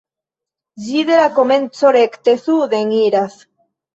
Ĝi de la komenco rekte suden iras.